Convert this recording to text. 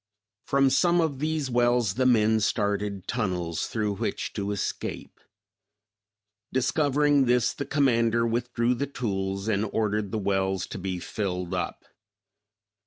From some of these wells the men started tunnels through which to escape. Discovering this, the commander withdrew the tools, and ordered the wells to be filled up.